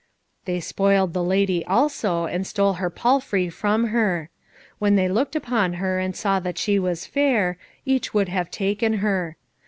They spoiled the lady also and stole her palfrey from her. When they looked upon her, and saw that she was fair, each would have taken her.